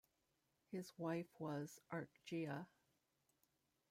His wife was Argea.